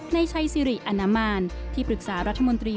นายไชยซิริอันนามานที่ปรึกษารัฐมนตรี